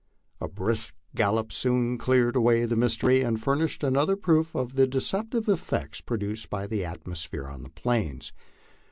A brisk gallop soon cleared away the mystery, and furnished another proof of the deceptive effects produced by the atmosphere on the Plains.